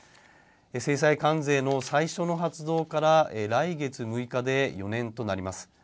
制裁関税の最初の発動から来月６日で４年となります。